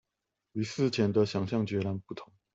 與事前的想像截然不同